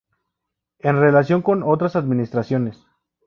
En relación con otras Administraciones.